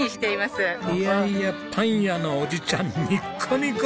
いやいやパン屋のおじちゃんニッコニコ。